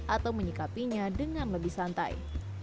atau menyikapinya dengan lebih santai